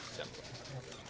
sampai jumpa lagi